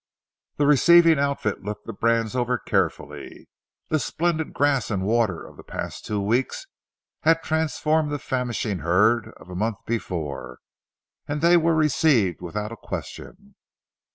The receiving outfit looked the brands over carefully. The splendid grass and water of the past two weeks had transformed the famishing herd of a month before, and they were received without a question.